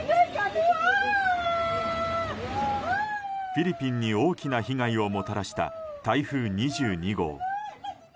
フィリピンに大きな被害をもたらした台風２２号。